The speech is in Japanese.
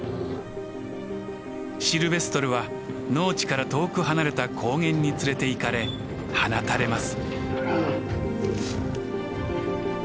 シルベストルは農地から遠く離れた高原に連れていかれ放たれます。